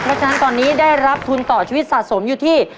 เพราะฉะนั้นตอนนี้ได้รับทุนต่อชีวิตสะสมอยู่ที่